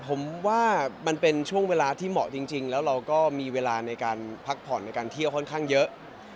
ผมว่ามันเป็นช่วงเวลาที่เหมาะจริงแล้วเราก็มีเวลาในการพักผ่อนในการเที่ยวค่อนข้างเยอะ